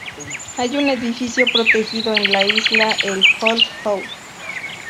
Hay un edificio protegido en la isla, el "Old House".